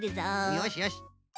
よしよし。